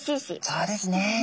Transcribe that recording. そうですね。